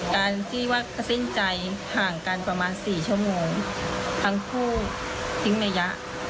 การที่ว่าสิ้นใจห่างกันประมาณ๔ชั่วโมงทั้งคู่ทิ้งระยะ